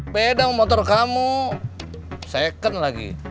beda motor kamu second lagi